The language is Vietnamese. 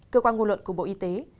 cơ quan ngôn luận của bộ y tế